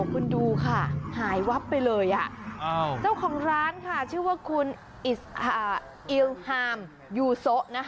คุณดูค่ะหายวับไปเลยเจ้าของร้านค่ะชื่อว่าคุณอิวฮามยูโซะ